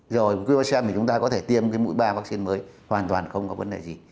rồi quimaxem thì chúng ta có thể tiêm cái mũi ba vaccine mới hoàn toàn không có vấn đề gì